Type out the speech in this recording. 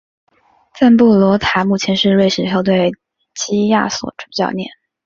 赞布罗塔目前是瑞士球队基亚索主教练。